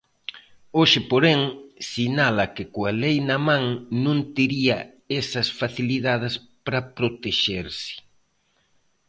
Hoxe, porén, sinala que coa lei na man non tería esas facilidades para protexerse.